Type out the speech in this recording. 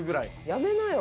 やめなよ